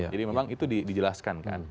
jadi memang itu dijelaskan kan